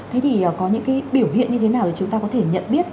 thế thì có những cái biểu hiện như thế nào để chúng ta có thể nhận biết